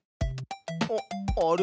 あっあれ？